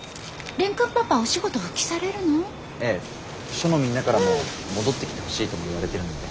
署のみんなからも戻ってきてほしいとも言われてるので。